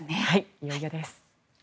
いよいよです。